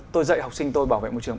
tôi dạy học sinh tôi bảo vệ môi trường